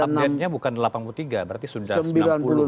update nya bukan delapan puluh tiga berarti sudah sembilan puluh